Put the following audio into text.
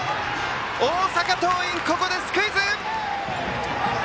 大阪桐蔭、ここでスクイズ！